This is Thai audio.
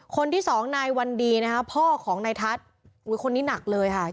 คนที่สองนายวันดีนะคะพ่อของนายทัศน์คนนี้หนักเลยค่ะ